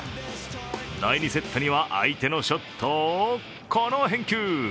第２セットには相手のショットをこの返球。